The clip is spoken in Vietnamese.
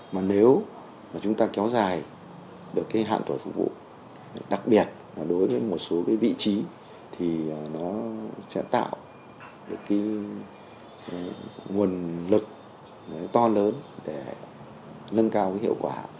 mà nếu chúng ta kéo dài được hạn tuổi phục vụ đặc biệt đối với một số vị trí thì nó sẽ tạo được nguồn lực to lớn để nâng cao hiệu quả